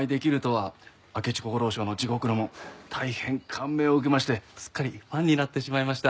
明智小五郎賞の『地獄の門』大変感銘を受けましてすっかりファンになってしまいました。